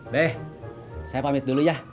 beh saya pamit dulu ya